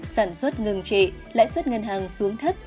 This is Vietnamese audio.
sản xuất ngừng trị lãi suất ngân hàng xuống thấp